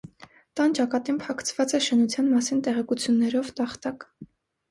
Տան ճակատին փակցված է շինության մասին տեղեկություններով տախտակ։